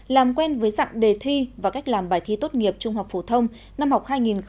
làm quen với dạng đề thi và cách làm bài thi tốt nghiệp trung học phổ thông năm học hai nghìn hai mươi hai nghìn hai mươi